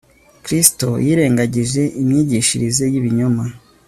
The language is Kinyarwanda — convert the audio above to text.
Kristo yirengagije imyigishirize yibinyoma